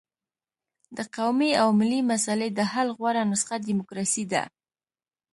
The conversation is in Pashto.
د قومي او ملي مسلې د حل غوره نسخه ډیموکراسي ده.